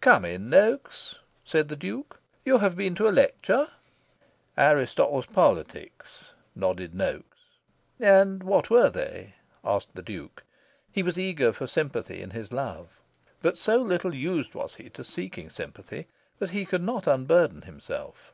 "Come in, Noaks," said the Duke. "You have been to a lecture?" "Aristotle's Politics," nodded Noaks. "And what were they?" asked the Duke. He was eager for sympathy in his love. But so little used was he to seeking sympathy that he could not unburden himself.